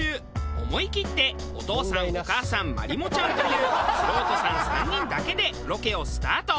思いきってお父さんお母さんまりもちゃんという素人さん３人だけでロケをスタート。